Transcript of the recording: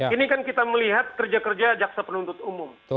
ini kan kita melihat kerja kerja jaksa penuntut umum